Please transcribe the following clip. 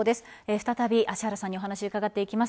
再び芦原さんにお話を伺っていきます。